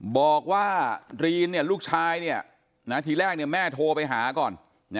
บอกว่ารีนเนี่ยลูกชายเนี่ยที่แรกเนี่ยแม่โทรไปหาก่อน